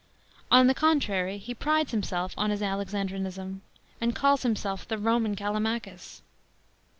On the contrary he prides himself on his Alexandrinism, and calls himselt the Roman Callimachus.